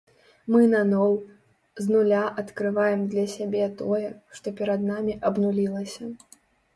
Мы наноў, з нуля адкрываем для сябе тое, што перад намі абнулілася.